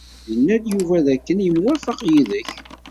Yenna-d Yuba dakken yemwafaq yid-k.